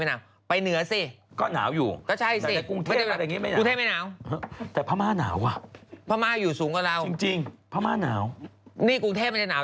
อาจจะลดมาอีกซักประมาณ๓๕องศา